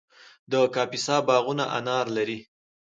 د کاپیسا باغونه انار لري.